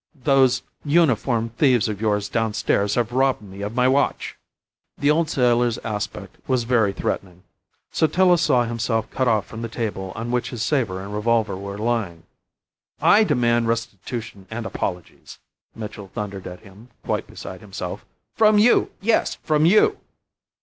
Those uniformed thieves of yours downstairs have robbed me of my watch." The old sailor's aspect was very threatening. Sotillo saw himself cut off from the table on which his sabre and revolver were lying. "I demand restitution and apologies," Mitchell thundered at him, quite beside himself. "From you! Yes, from you!"